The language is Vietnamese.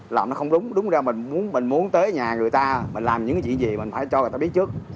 làm nó không đúng đúng ra mình muốn tới nhà người ta mình làm những gì gì mình phải cho người ta biết trước